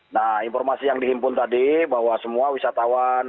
nah informasi yang dihimpun tadi bahwa semua wisatawan